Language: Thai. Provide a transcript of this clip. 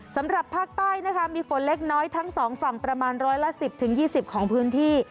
สำหรับภาคใต้นะคะมีฝนเล็กน้อยทั้งสองฝั่งประมาณร้อยละ๑๐๒๐ของพื้นที่